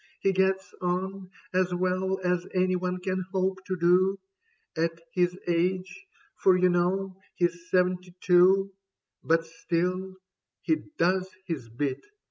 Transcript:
He gets on As well as anyone can hope to do At his age — ^for you know he's seventy two ; But still, he does his bit.